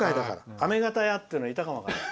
あめがた屋っていうのがいたかも分からない。